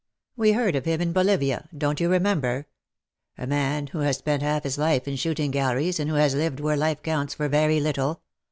We heard of him in Bolivia, don^t you remember ? A man who has spent half his life in shooting galleries, and who has lived where life counts for very little.